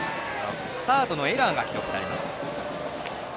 サードのエラーが記録されます。